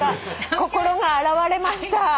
心が洗われました。